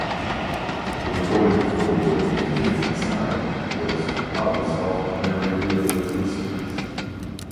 The recording for the "B" side was "Have Yourself a Merry Little Christmas".